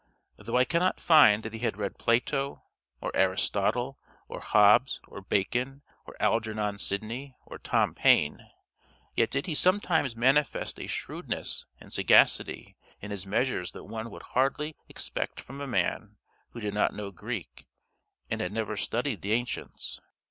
Though I cannot find that he had read Plato, or Aristotle, or Hobbes, or Bacon, or Algernon Sydney, or Tom Paine, yet did he sometimes manifest a shrewdness and sagacity in his measures that one would hardly expect from a man who did not know Greek and had never studied the ancients.